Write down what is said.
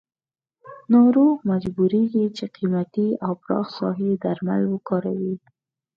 ناروغ مجبوریږي چې قیمتي او پراخ ساحې درمل وکاروي.